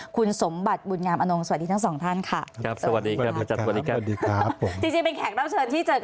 คุณสมบัติเสี่ยงบุตรงามอนง